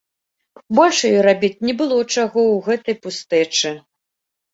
Больш ёй рабіць не было чаго ў гэтай пустэчы.